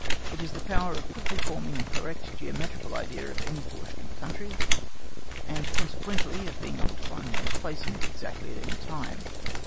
It is the power of quickly forming a correct geometrical idea of any portion of country, and consequently of being able to find one's place in it exactly at any time.